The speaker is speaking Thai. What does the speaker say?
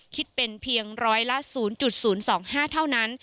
คิดเป็นเพียงร้อยละ๐๐๒๕เท่านั้น